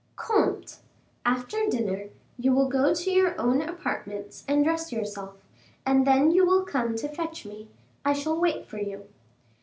"Comte! after dinner, you will go to your own apartments and dress yourself, and then you will come to fetch me. I shall wait for you."